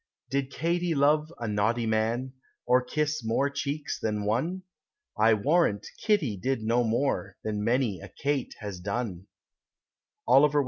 Did Katy love a naughty man, Or kiss more cheeks than one? I warrant Katy did no more Than many a Kate has done. Dear me!